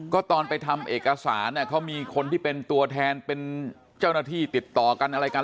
ก็ตอนไปทำเอกสารเขามีคนที่เป็นตัวแทนเป็นเจ้าหน้าที่ติดต่อกันอะไรกัน